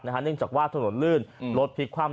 เนื่องจากว่าถนนลื่นรถพลิกคว่ำ